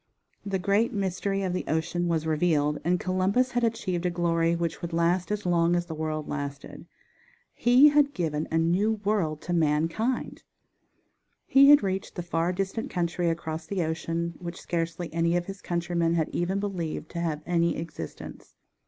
The great mystery of the ocean was revealed, and Columbus had achieved a glory which would last as long as the world lasted. He had given a new world to mankind! He had reached the far distant country across the ocean, which scarcely any of his countrymen had even believed to have any existence.